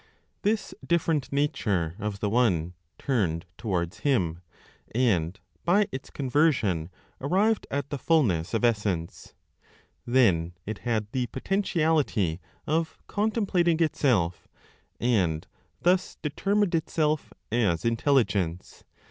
This different nature of the One turned towards Him, and by its conversion, arrived at the fulness (of essence). Then it had the potentiality of contemplating itself, and thus determined itself as Intelligence.